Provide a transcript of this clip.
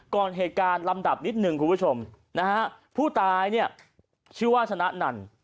ก่อนเหตุการณ์ลำดับนิดหนึ่งคุณผู้ชมนะฮะผู้ตายเนี่ยชื่อว่าชนะนัน